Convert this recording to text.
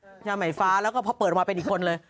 ใช่ไหมฟ้าแล้วก็พอเปิดมาเป็นอีกคนเลย